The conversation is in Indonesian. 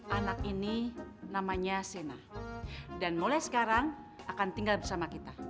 anak ini namanya sena dan mulai sekarang akan tinggal bersama kita